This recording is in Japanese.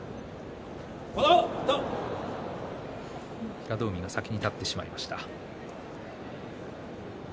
平戸海が先に立ってしまいました。